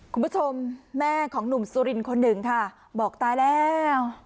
คุณผู้ชมแม่ของหนุ่มสุรินทร์คนหนึ่งค่ะบอกตายแล้ว